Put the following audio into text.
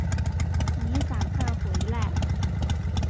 妳赶快回来